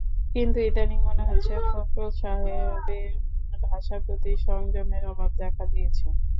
কিন্তু ইদানীং মনে হচ্ছে ফখরুল সাহেবের ভাষার প্রতি সংযমের অভাব দেখা দিয়েছে।